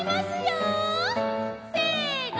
せの！